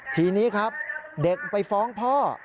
ทีนี้ครับเด็กไปฟ้องพ่อ